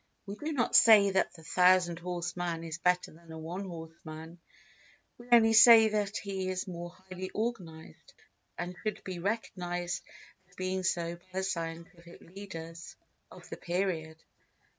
We do not say that the thousand horse man is better than a one horse man, we only say that he is more highly organised, and should be recognised as being so by the scientific leaders of the period.